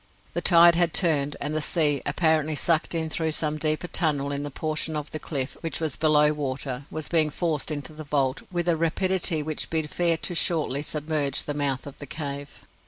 The tide had turned, and the sea, apparently sucked in through some deeper tunnel in the portion of the cliff which was below water, was being forced into the vault with a rapidity which bid fair to shortly submerge the mouth of the cave.